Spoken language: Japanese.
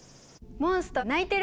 モンストロ鳴いてる！